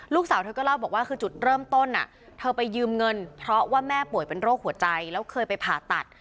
ลูกสาวเธอก็เล่าบอกว่าคือจุดเริ่มต้นเธอไปยืมเงินเพราะว่าแม่ป่วยเป็นโรคหัวใจแล้วเคยไปผ่าตัด